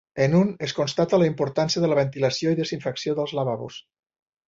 En un es constata la importància de la ventilació i desinfecció dels lavabos.